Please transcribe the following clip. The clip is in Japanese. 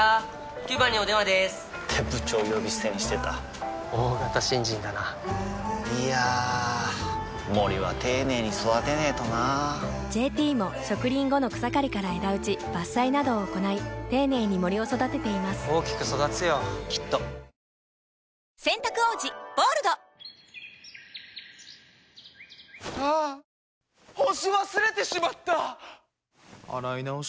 ９番にお電話でーす！って部長呼び捨てにしてた大型新人だないやー森は丁寧に育てないとな「ＪＴ」も植林後の草刈りから枝打ち伐採などを行い丁寧に森を育てています大きく育つよきっと秘密はポケットコイル座ってみたらほら違うお、ねだん以上。